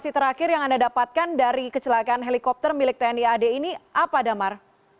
informasi terakhir yang anda dapatkan dari kecelakaan helikopter milik tni ad ini apa damar